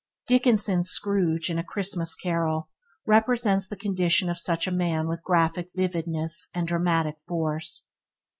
Dickens's Scrooge in "A Christmas Carol" represents the condition of such a man with graphic vividness and dramatic force.